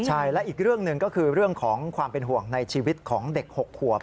ใช่และอีกเรื่องหนึ่งก็คือเรื่องของความเป็นห่วงในชีวิตของเด็ก๖ขวบ